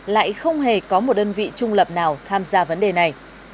lại không hề có một đơn vị trung lập nào tham gia vấn đề này